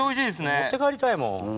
持って帰りたいもん。